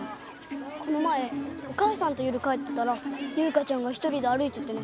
この前お母さんと夜帰ってたらユウカちゃんが１人で歩いててね。